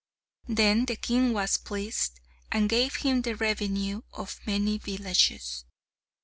Then the king was pleased, and gave him the revenue of many villages.